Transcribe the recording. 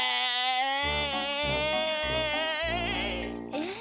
えっ。